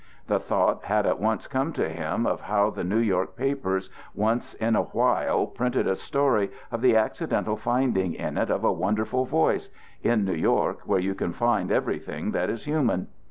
The thought had at once come to him of how the New York papers once in a while print a story of the accidental finding in it of a wonderful voice in New York, where you can find everything that is human.